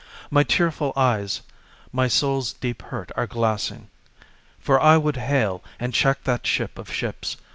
My tearful eyes my soul's deep hurt are glassing; For I would hail and check that ship of ships.